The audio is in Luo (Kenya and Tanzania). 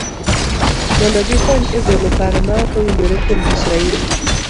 mondo gikony e golo paro maok owinjore kuom Kiswahili.